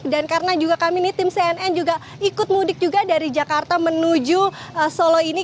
dan karena juga kami ini tim cnn juga ikut mudik juga dari jakarta menuju solo ini